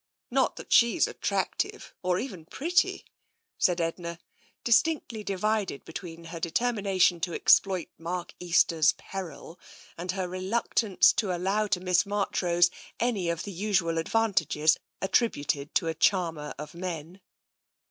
Not that she's attractive, or even pretty," said Edna, distinctly divided between her determination to exploit Mark Easter's peril and her reluctance to allow to Miss Marchrose any of the usual advantages attributed to a charmer of men.